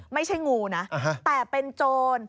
ไม่ใช่งูนะแต่เป็นโจร